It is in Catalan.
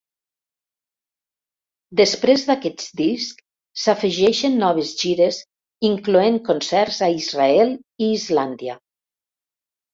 Després d'aquests discs s'afegeixen noves gires incloent concerts a Israel i Islàndia.